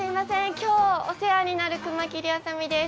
今日お世話になる熊切あさ美です。